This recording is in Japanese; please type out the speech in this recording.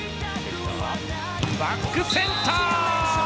バックセンター。